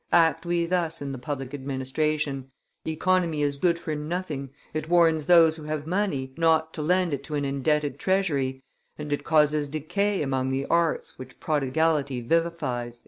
Act we thus in the public administration. Economy is good for nothing, it warns those who have money, not to lend it to an indebted treasury, and it causes decay among the arts which prodigality vivifies."